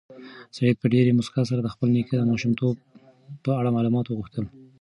سعید په ډېرې موسکا سره د خپل نیکه د ماشومتوب په اړه معلومات وغوښتل.